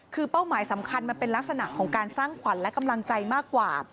คือเป้าหมายสำคัญมันเป็นลักษณะของการสร้างขวัญและกำลังใจมากกว่า